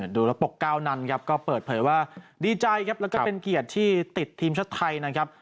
ดูแล้วปกก้าวนั้นครับก็เปิดเผยว่าดีใจครับแล้วก็เป็นเกียรติที่ติดทีมชาติไทยนะครับ